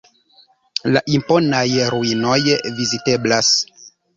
La imponaj ruinoj viziteblas.